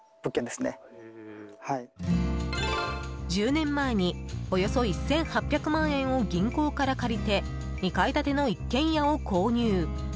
１０年前におよそ１８００万円を銀行から借りて２階建ての一軒家を購入。